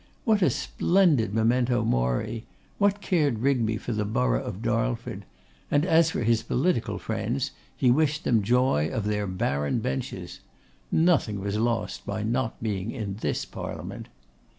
What a splendid memento mori! What cared Rigby for the borough of Darlford? And as for his political friends, he wished them joy of their barren benches. Nothing was lost by not being in this Parliament.